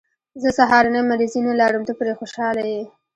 زه سهارنۍ مریضي نه لرم، ته پرې خوشحاله یې.